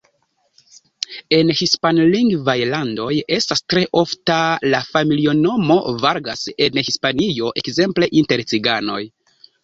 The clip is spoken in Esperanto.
En hispanlingvaj landoj estas tre ofta la familinomo Vargas, en Hispanio ekzemple inter ciganoj.